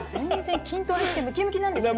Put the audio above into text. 筋トレしてムキムキなんですけどね。